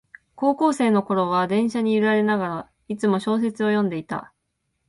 高校生のころは電車に揺られながら、いつも小説を読んでいた